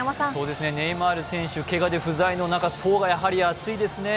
ネイマール選手、けがで不在の中層が厚いですね。